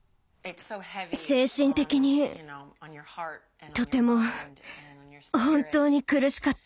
精神的にとても本当に苦しかった。